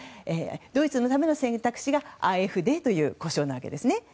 ドイツのための選択肢がＡｆＤという呼称なわけですね。